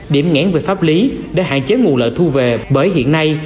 điểm nghẽn về pháp lý để hạn chế nguồn lợi thu về bởi hiện nay